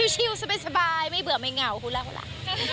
ชิลสบายไม่เบื่อไม่เหงาฮูลาฮูลา